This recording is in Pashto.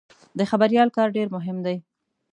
د خبریال کار ډېر مهم دی.